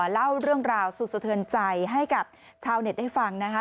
เล่าเรื่องราวสุดสะเทือนใจให้กับชาวเน็ตได้ฟังนะคะ